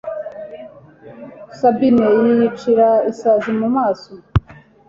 Sabine yiyicira isazi mu maso…